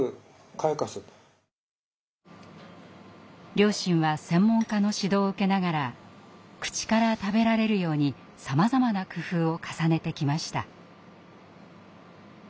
両親は専門家の指導を受けながら口から食べられるようにさまざまな工夫を重ねてきました。